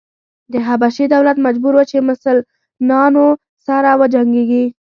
د حبشې دولت مجبور و چې مسلنانو سره وجنګېږي.